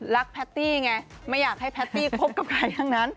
แพตตี้ไงไม่อยากให้แพตตี้คบกับใครทั้งนั้น